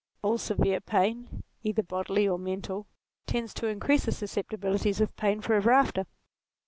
All severe pain, either bodily or mental, tends to increase the susceptibilities of pain for ever after.